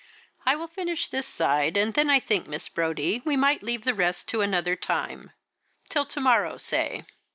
"I will finish this side, and then I think, Miss Brodie, we might leave the rest to another time till to morrow, say."